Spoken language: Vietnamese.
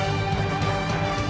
xin chào và hẹn gặp lại